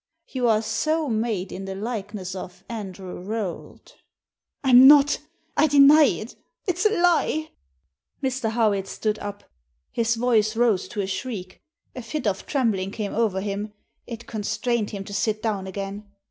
You are so made in tihe likeness of Andrew Rolt" I'm not I deny it ! It's a lie !" Mr. Howitt stood up. His voice rose to a shriek. A fit of trembling came over him. It constrained him to sit down again.